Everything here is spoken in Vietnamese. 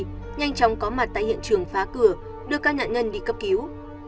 nhanh chóng có mặt tại hiện trường phá cửa đưa các nạn nhân đi cấp cứu